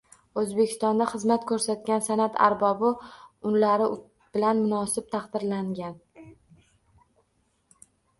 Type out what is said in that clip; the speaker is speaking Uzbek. O’zbekistonda xizmat ko’rsatgan san’at arbobi unlari bilan munosib taqdirlangan